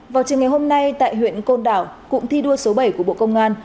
vào trường ngày hôm nay tại huyện côn đảo cụm thi đua số bảy của bộ công an